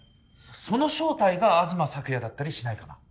その正体が東サクヤだったりしないかな？